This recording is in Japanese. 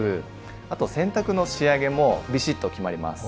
あと洗濯の仕上げもビシッと決まります。